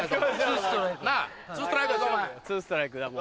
ツーストライクだもう。